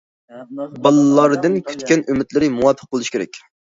بالىلاردىن كۈتكەن ئۈمىدلىرى مۇۋاپىق بولۇشى كېرەك.